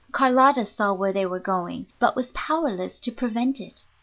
Carlotta saw where they were going, but was powerless to prevent it.